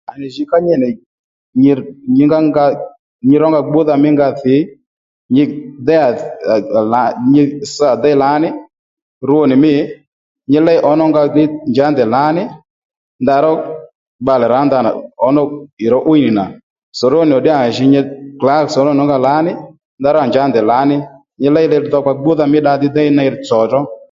À nì jǐ ká nyi nì nyǐngá nga nyi rónga gbúdha mí nga dhǐ nyi déy à lǎn nyi sš à déy lǎní rwo nì mî nyi léy ǒmá nga njǎ ndèy lǎní ndeyró bbalè rǎ òmà ì ró 'wi nì nà sòrónì ò ddí à nì jǐ nyi klǎ sòrónì ónga lǎní ndeyró à njǎ ndèy lǎní nyi léy li dhokpa gbúdha mí dda déy ney tsòró